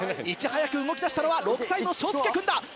いち早く動きだしたのは６歳の渚介くんだ。